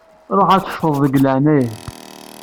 Ruḥ ad teccfeḍ deg leɛnaya-k.